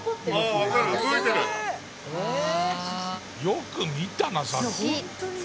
よく見たなさっき。